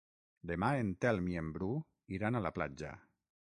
Demà en Telm i en Bru iran a la platja.